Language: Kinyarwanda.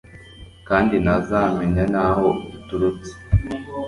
kandi ntazamenya n'aho iturutse